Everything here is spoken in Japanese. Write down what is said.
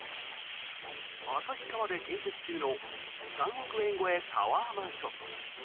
旭川で建設中の３億円超えタワーマンション。